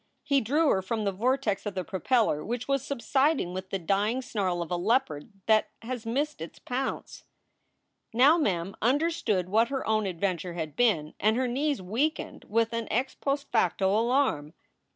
He drew her from the vortex of the propeller, which was subsiding with the dying snarl of a leopard that has missed its pounce. 3io SOULS FOR SALE Now Mem understood what her own adventure had been, and her knees weakened with an ex post facto alarm.